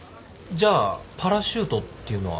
じゃあパラシュートっていうのは？